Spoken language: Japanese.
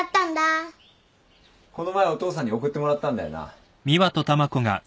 この前お父さんに送ってもらったんだよな。